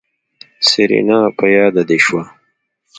سېرېنا په ياده دې شوه.